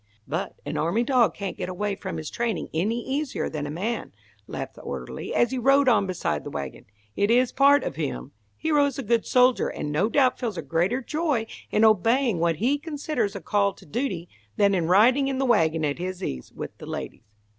"But an army dog can't get away from his training any easier than a man," laughed the orderly, as he rode on beside the wagon. "It is a part of him. Hero is a good soldier, and no doubt feels a greater joy in obeying what he considers a call to duty, than in riding in the wagon at his ease, with the ladies."